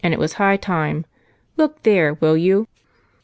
It was high time. Look there, will you?"